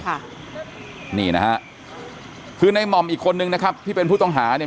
ค่ะนี่นะฮะคือในหม่อมอีกคนนึงนะครับที่เป็นผู้ต้องหาเนี่ย